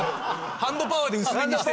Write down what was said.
ハンドパワーで薄めにして。